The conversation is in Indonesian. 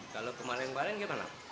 kalau kemarin kemarin gimana